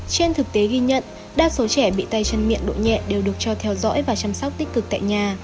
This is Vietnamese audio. trên thực tế ghi nhận đa số trẻ bị tay chân miệng độ nhẹ đều được cho theo dõi và chăm sóc tích cực tại nhà